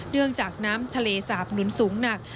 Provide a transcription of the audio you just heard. เนื่องจากน้ำทะเลสาบหนุนสูงหนัก